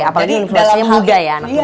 apalagi yang berinfluensi muda ya anak anaknya